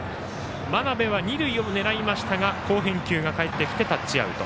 真鍋は二塁を狙いましたが好返球が返ってきてタッチアウト。